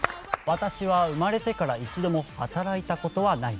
私は生まれてから一度も働いたことがない。